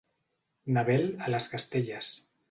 Na Bel a les Castelles.